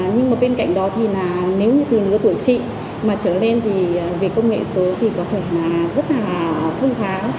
nhưng mà bên cạnh đó thì nếu như từ nửa tuổi trị mà trở lên thì về công nghệ số thì có thể là rất là phương phá